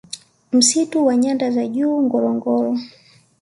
Msitu wa nyanda za Juu Ngorongoro